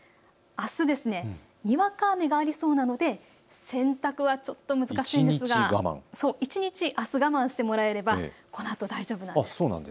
あす、にわか雨がありそうなので洗濯はちょっと難しいんですが一日、あす我慢してもらえればこのあと大丈夫なんです。